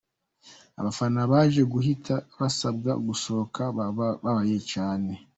Abafana baje guhita basabwa gusohoka bababaye cyane.